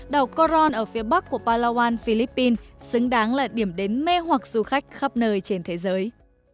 đảo coron ở phía bắc của palawan philippines xứng đáng là điểm đến mê hoặc du khách khắp nơi trên thế giới